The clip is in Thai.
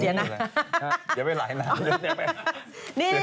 เดี๋ยวไม่ไหลน่ะ